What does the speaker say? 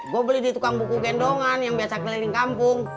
gue beli di tukang buku gendongan yang biasa keliling kampung